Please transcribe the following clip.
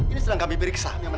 ini sedang kami periksa